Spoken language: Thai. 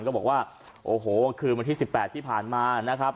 ก็บอกว่าโอ้โหคืนวันที่๑๘ที่ผ่านมานะครับ